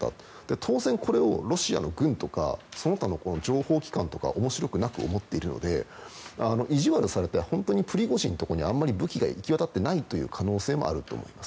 当然、これをロシアの軍とかその他の情報機関とかは面白くなく思っているのでいじわるされて本当にプリゴジン氏のところにあまり武器が行き渡ってない可能性もあると思います。